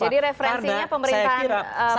jadi referensinya pemerintahan